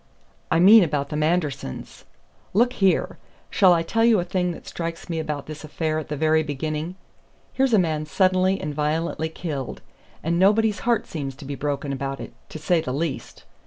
"I mean about the Mandersons. Look here! shall I tell you a thing that strikes me about this affair at the very beginning? Here's a man suddenly and violently killed; and nobody's heart seems to be broken about it, to say the least.